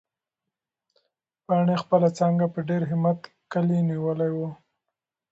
پاڼې خپله څانګه په ډېر همت کلي نیولې وه.